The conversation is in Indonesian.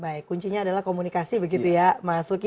baik kuncinya adalah komunikasi begitu ya mas uki